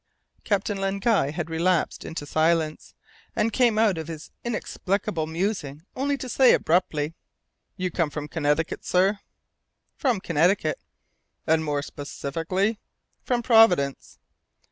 Captain Len Guy had relapsed into silence, and came out of his inexplicable musing only to say abruptly, "You come from Connecticut, sir?" "From Connecticut." "And more specially?" "From Providence."